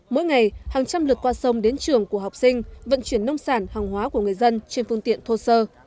mỗi ngày hàng trăm lượt qua sông đến trường của học sinh vận chuyển nông sản hàng hóa của người dân trên phương tiện thô sơ